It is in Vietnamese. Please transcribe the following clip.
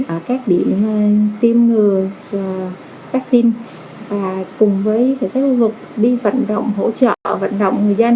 ở các điểm tiêm ngừa vaccine và cùng với khởi sách vô vục đi vận động hỗ trợ vận động người dân